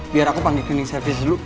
biar aku panggil cleaning service dulu